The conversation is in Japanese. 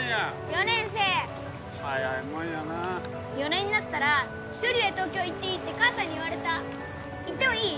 ４年生早いもんやなあ４年になったら１人で東京行っていいって母さんに言われた行ってもいい？